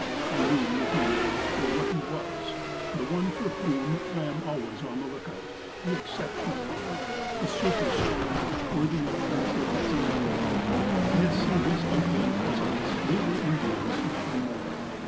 I knew Nupee now for what he was the one for whom I am always on the lookout, the exceptional one, the super servant, worthy of friendship as an equal. I had seen his uncle and his cousins. They were Indians, nothing more.